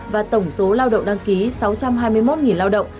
và tổng số lao động đăng ký sáu trăm hai mươi một lao động